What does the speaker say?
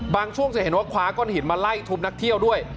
ช่วงจะเห็นว่าคว้าก้อนหินมาไล่ทุบนักเที่ยวด้วย